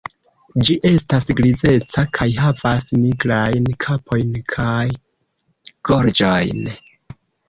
Ĝi estas grizeca kaj havas nigrajn kapon kaj gorĝon.